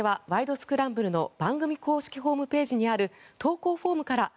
スクランブル」の番組公式ホームページにある投稿フォームから。